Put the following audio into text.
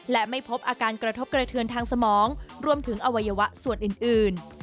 และไม่พบอาการกระทบกระเทือนทางสมองรวมถึงอวัยวะส่วนอื่น